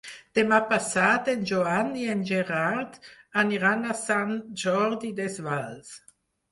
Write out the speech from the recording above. Demà passat en Joan i en Gerard aniran a Sant Jordi Desvalls.